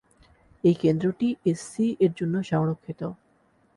এই কেন্দ্রটি এসসি এর জন্য সংরক্ষিত।